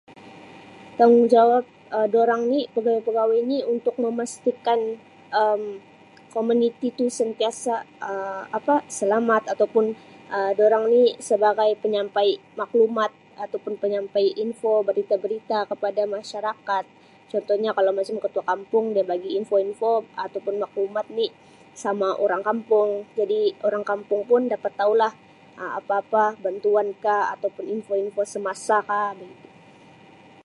Tanggungjawab pegawai-pegawai ini untuk memastikan komuniti tu sentiasa Um apa selamat atau pun sebagai penyampai maklumat atau pun penyampai info berita-berita kepada masyarakat, contohnya kalau macam ketua kampung dia bagi info-info atau pun maklumat ni sama orang kampung jadi orang kampung pun dapat taulah Um apa-apa bantuan ka info-info semasa ka Um begitu.